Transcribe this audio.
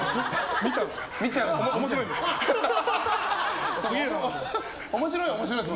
見ちゃうんですよ。